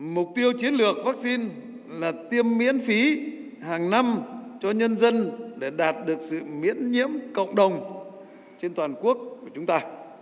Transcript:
mục tiêu chiến lược vaccine là tiêm miễn phí hàng năm cho nhân dân để đạt được sự miễn nhiễm cộng đồng trên toàn quốc của chúng ta